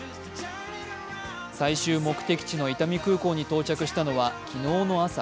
最終目的地の伊丹空港に到着したのは昨日の朝。